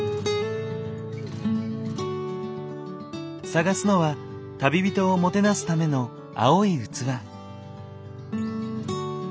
探すのは旅人をもてなすための青い器。